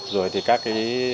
rồi thì các cái